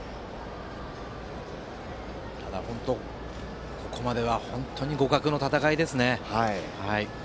ただ、ここまでは本当に互角の戦いですね。